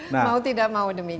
mau tidak mau demikian